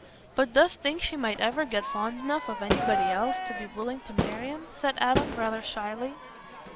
"But dost think she might ever get fond enough of anybody else to be willing to marry 'em?" said Adam rather shyly.